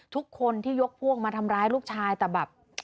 ทุกคนที่ยกพวกมาทำร้ายลูกชายแต่แบบ